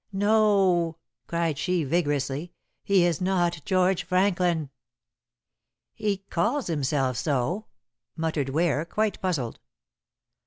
"No!" cried she vigorously. "He is not George Franklin." "He calls himself so," muttered Ware, quite puzzled.